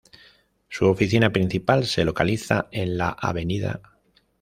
Su oficina principal se localiza en la Av.